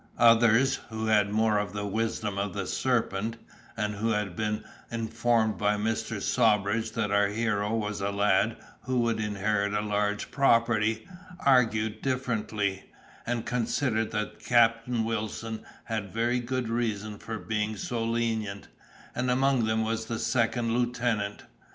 Others, who had more of the wisdom of the serpent, and who had been informed by Mr. Sawbridge that our hero was a lad who would inherit a large property, argued differently, and considered that Captain Wilson had very good reason for being so lenient—and among them was the second lieutenant.